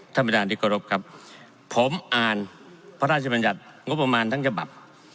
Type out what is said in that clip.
ท่านประธานที่กรบครับผมอ่านพระราชบัญญัติงบประมาณทั้งฉบับ